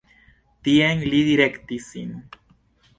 Tien li direktis sin.